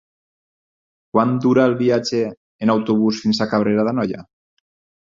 Quant dura el viatge en autobús fins a Cabrera d'Anoia?